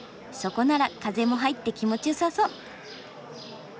そこなら風も入って気持ちよさそう。